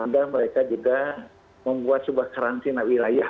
dan mereka juga membuat sebuah karantina wilayah